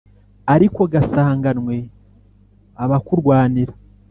Ariko gasanganwe abakurwanira